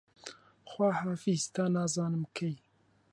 خواحافیز تا نازانم کەی